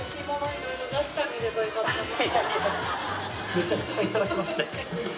めちゃくちゃいただきましたよ。